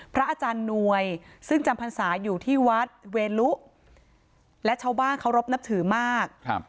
พระอาจารย์หน่วยซึ่งจำพรรษาอยู่ที่วัดเวลุและชาวบ้านเคารพนับถือมากครับ